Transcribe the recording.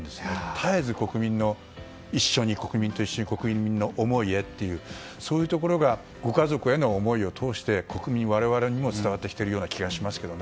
絶えず国民と一緒に国民の思いへというそういうところがご家族への思いを通して国民、我々にも伝えてきているような気もしますけどね。